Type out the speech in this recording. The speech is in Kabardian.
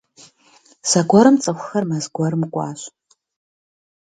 Зэгуэрым цӀыхухэр мэз гуэрым кӀуащ.